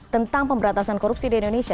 tentang pemberantasan korupsi di indonesia